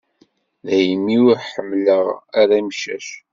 Daymi ur ḥemmleɣ ara imcac.